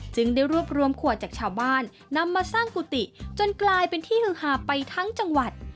ได้รวบรวมขวดจากชาวบ้านนำมาสร้างกุฏิจนกลายเป็นที่ฮือหาไปทั้งจังหวัด